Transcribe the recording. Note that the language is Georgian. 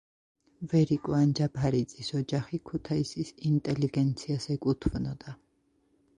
ვერიკო ანჯაფარიძის ოჯახი ქუთაისის ინტელიგენციას ეკუთვნოდა.